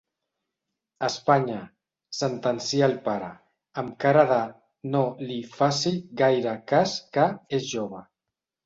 Espanya —sentencia el pare, amb cara de no-li-faci-gaire-cas-que-ésjove.